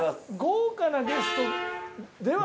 豪華なゲストでは。